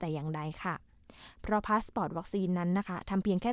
แต่อย่างใดค่ะเพราะพาสปอร์ตวัคซีนนั้นนะคะทำเพียงแค่